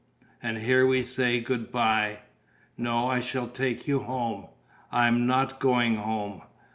And here we say good bye." "No, I shall take you home." "I'm not going home."